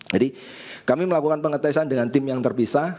jadi kami melakukan pengetesan dengan tim yang terpisah